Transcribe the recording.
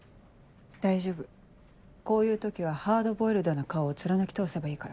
大丈夫こういう時はハードボイルドな顔を貫き通せばいいから。